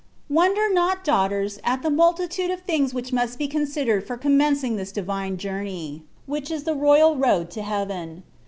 Wonder not, daughters, at the multitude of things which must be considered for commencing this divine journey,* which is the royal road to heaven.